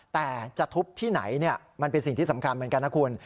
แต่จะทุบที่ไหนมันเป็นสิ่งที่สำคัญเหมือนกันนะคุณ